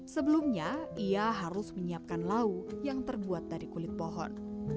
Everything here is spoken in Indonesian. sebelumnya ia harus menyiapkan lau yang terbuat dari kulit pohon